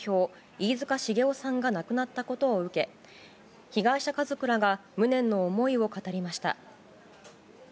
飯塚繁雄さんが亡くなったことを受け被害者家族らが無念の思いを語りました。